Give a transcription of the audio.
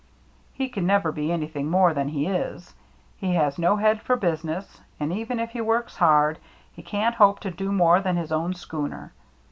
"He can never be anything more than he is. He has no head for business, and even if he works hard, he can't hope to do more than own his schooner.